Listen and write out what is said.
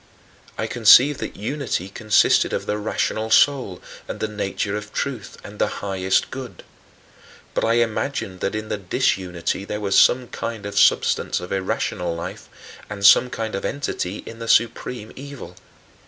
I conceived that unity consisted of the rational soul and the nature of truth and the highest good. But I imagined that in the disunity there was some kind of substance of irrational life and some kind of entity in the supreme evil.